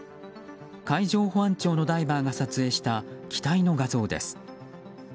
海上保安庁のダイバーが撮影した機体の画像です。